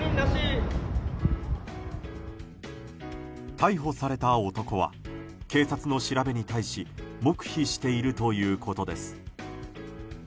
逮捕された男は警察の調べに対し黙秘しているということです。